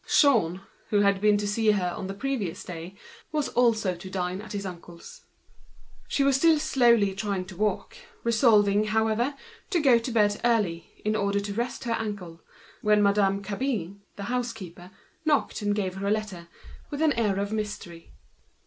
Jean, who had been to see her the previous day, was to dine at his uncle's also. She continued to try to walk, resolved to go to bed early, in order to rest her leg, when Madame Cabin, the housekeeper, knocked and gave her a letter, with an air of mystery.